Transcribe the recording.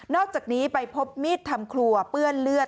อกจากนี้ไปพบมีดทำครัวเปื้อนเลือด